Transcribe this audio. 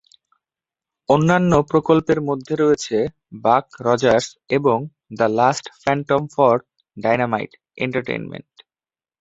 অন্যান্য প্রকল্পের মধ্যে রয়েছে বাক রজার্স এবং the last phantom for Dynamite entertainment.